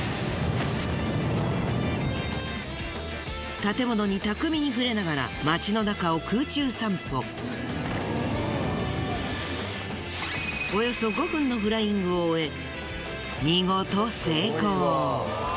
建物に巧みに触れながらおよそ５分のフライングを終え見事成功！